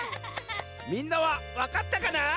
みんなはわかったかな？